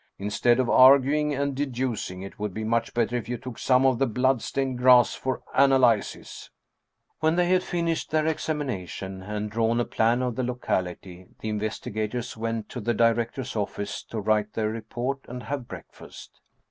Instead of arguing and deducing, it would be much better if you took some of the blood stained grass for analysis !" When they had finished their examination, and drawn a plan of the locality, the investigators went to the direc tor's office to write their report and have breakfast.